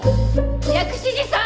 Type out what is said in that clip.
薬師寺さん！